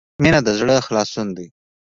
• مینه د زړۀ خلاصون دی.